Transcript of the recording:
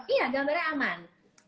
iya gambarnya aman